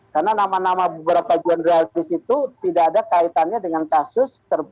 karena nama nama beberapa jurnalist itu tidak ada kaitannya dengan kasus